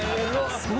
［そう。